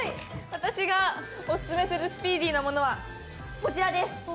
私がオススメするスピーディな物はこちらです。